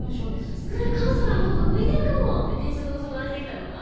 スクールカウンセラーのほうが向いてるかもって転職の相談して来たのは？